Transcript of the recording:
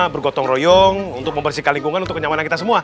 bergotong royong untuk membersihkan lingkungan untuk kenyamanan kita semua